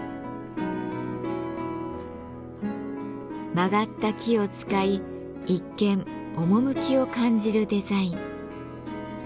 曲がった木を使い一見趣を感じるデザイン。